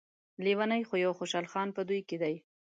لیونی خو يو خوشحال خان په دوی کې دی.